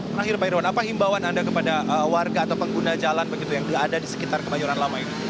terakhir pak irwan apa himbauan anda kepada warga atau pengguna jalan begitu yang ada di sekitar kebayoran lama ini